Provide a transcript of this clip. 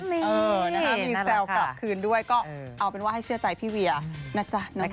มีแซวกลับคืนด้วยก็เอาเป็นว่าให้เชื่อใจพี่เวียนะจ๊ะนะคะ